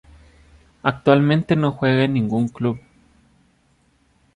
Actualmente no juega en ningún club.